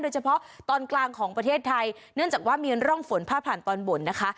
เฉพาะตอนกลางของประเทศไทยเนื่องจากว่ามีร่องฝนพาดผ่านตอนบนนะคะ